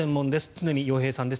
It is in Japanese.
常見陽平さんです。